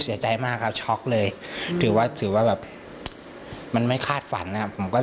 สิ่งหุดแน่ช็อกเลยถือว่าแบบอมันไม่คาดฝันนะครับ